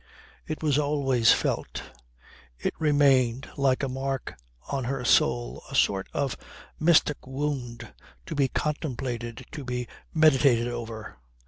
It was always felt; it remained like a mark on her soul, a sort of mystic wound, to be contemplated, to be meditated over.